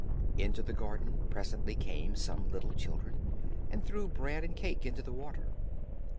Into the garden presently came some little children, and threw bread and cake into the water.